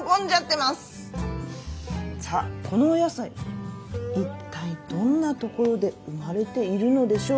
さあこのお野菜一体どんな所で生まれているのでしょうか？